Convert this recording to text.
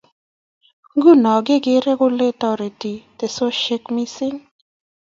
Nguno kekere kole toriti teksosite mising